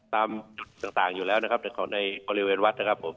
ตามจุดต่างอยู่แล้วเศร้าในบริเวณวัด